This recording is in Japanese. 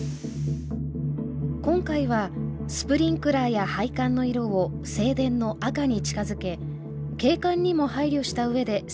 今回はスプリンクラーや配管の色を正殿の赤に近づけ景観にも配慮した上で設置します